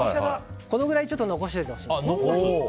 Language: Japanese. このぐらい残しておいてほしいんです。